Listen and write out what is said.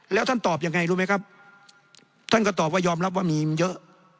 แล้วท่านตอบยังไงรู้ไหมครับท่านก็ตอบว่ายอมรับว่ามีมันเยอะ